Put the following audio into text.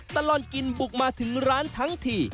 ตลอดกินบุกมาถึงร้านทั้งที